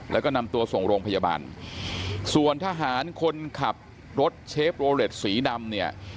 แล้วก็นำตัวส่งโรงพยาบาลส่วนทหารคนขับรถเชฟโรเล็ตสีดำเนี่ย